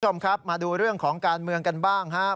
คุณผู้ชมครับมาดูเรื่องของการเมืองกันบ้างครับ